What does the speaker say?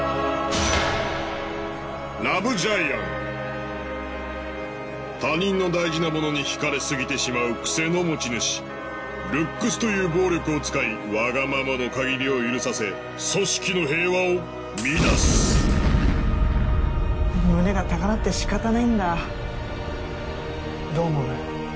ラブジャイアン他人の大事なものにひかれすぎてしまう癖の持ち主ルックスという暴力を使いわがままの限りを許させ組織の平和を乱す胸が高鳴ってしかたないんだどう思う？